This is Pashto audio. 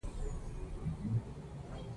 هغه ځان په خیال کې ولید.